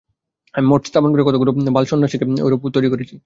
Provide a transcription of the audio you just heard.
আমি মঠ স্থাপন করে কতকগুলি বাল-সন্ন্যাসীকে তাই ঐরূপে তৈরী করছি।